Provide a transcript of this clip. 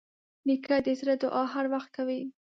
نیکه د زړه دعا هر وخت کوي.